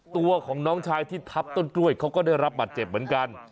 ตัวคนที่ทับต้นกล้วยเขาก็ได้รับหมัดเจ็บเหมือนกัน